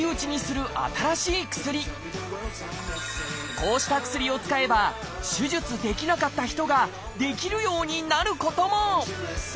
こうした薬を使えば手術できなかった人ができるようになることも！